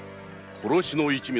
殺しの一味？